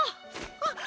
あっ！